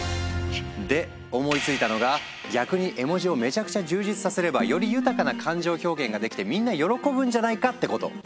で思いついたのが逆に絵文字をめちゃくちゃ充実させればより豊かな感情表現ができてみんな喜ぶんじゃないかってこと。